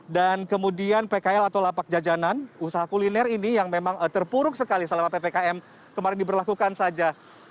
dan kemudian pkl atau lapak jajanan usaha kuliner ini yang memang terpuruk sekali selama ppkm kemarin diberlakukan saja